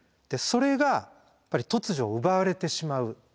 それが突如奪われてしまう。